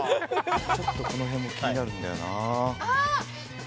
ちょっとこの辺も気になるんだよなあ